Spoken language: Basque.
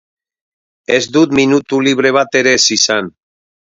Ez dut minutu libre bat ere ez izan.